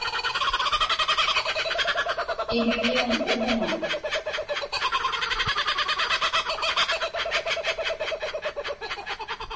Iḷḷiuŋ uvuŋa.